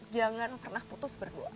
jangan pernah putus berdua